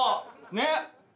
ねっ。